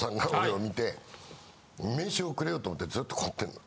名刺をくれようと思ってずっとこうやってんの。